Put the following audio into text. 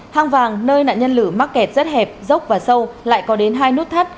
hang vàng nơi nạn nhân lử mắc kẹt rất hẹp dốc và sâu lại có đến hai nút thắt